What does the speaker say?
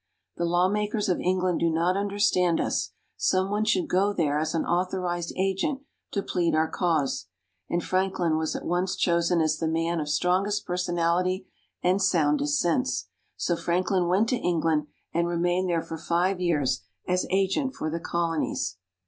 "The lawmakers of England do not understand us some one should go there as an authorized agent to plead our cause," and Franklin was at once chosen as the man of strongest personality and soundest sense. So Franklin went to England and remained there for five years as agent for the Colonies.